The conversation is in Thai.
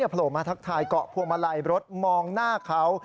โผล่มาทักทายเกาะพวงมาลัยรถมองหน้าเขา